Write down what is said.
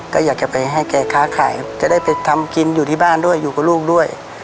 ก็อยากจะไปให้แกค้าขายจะได้ไปทำกินอยู่ที่บ้านด้วยอยู่กับลูกด้วย